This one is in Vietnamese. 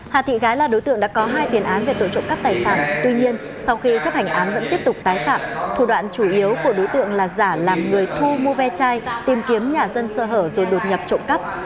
hà thị gái là đối tượng đã có hai tiền án về tội trộm cắp tài sản tuy nhiên sau khi chấp hành án vẫn tiếp tục tái phạm thủ đoạn chủ yếu của đối tượng là giả làm người thu mua ve chai tìm kiếm nhà dân sơ hở rồi đột nhập trộm cắp